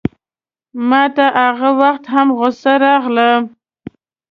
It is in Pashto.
ماته هغه وخت هم غوسه راغله.